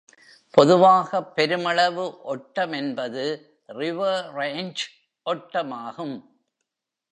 பொதுவாக பெருமளவு ஒட்டமென்பது river ranch ஒட்டமாகும்.